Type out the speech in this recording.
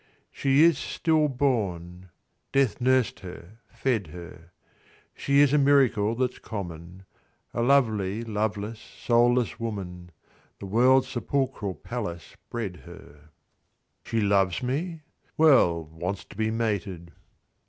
She was still born ; death nursed her, fed her ; She is a miracle that's common, A lovely, loveless, soulless woman : The world's sepulchral palace bred her. She loves me .' Well, wants to be mated.